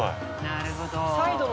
なるほど。